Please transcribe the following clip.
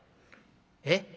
えっ？